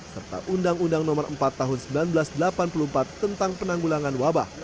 serta undang undang nomor empat tahun seribu sembilan ratus delapan puluh empat tentang penanggulangan wabah